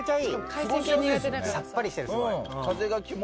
さっぱりしてるすごい。